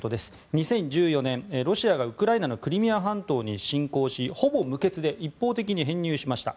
２０１４年、ロシアがウクライナのクリミア半島に侵攻しほぼ無血で一方的に編入しました。